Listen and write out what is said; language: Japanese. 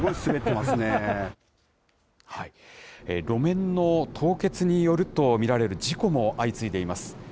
路面の凍結によると見られる事故も相次いでいます。